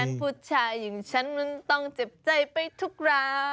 ผู้ชายอย่างฉันมันต้องเจ็บใจไปทุกรา